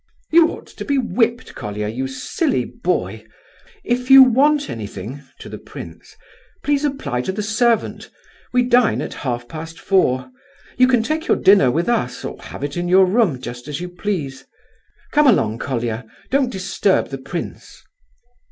"You ought to be whipped, Colia, you silly boy. If you want anything" (to the prince) "please apply to the servant. We dine at half past four. You can take your dinner with us, or have it in your room, just as you please. Come along, Colia, don't disturb the prince."